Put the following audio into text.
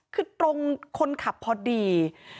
คือตรงคนขับพอดี